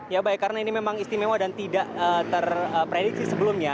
ya baik karena ini memang istimewa dan tidak terprediksi sebelumnya